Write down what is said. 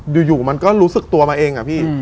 อยู่มันก็รู้สึกตัวมาเองอะพี่